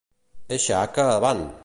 Eixa haca, avant!